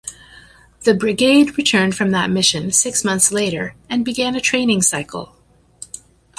The Brigade returned from that mission six months later and began a training cycle.